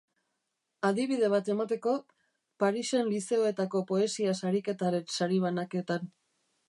Adibide bat emateko, Parisen lizeoetako poesia sariketaren sari banaketan.